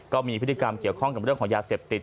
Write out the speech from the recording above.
ก็มีพฤติกรรมเกี่ยวข้องกับเรื่องของยาเสพติด